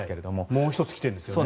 もう１つ来ているんですよね。